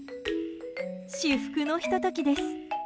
至福のひと時です。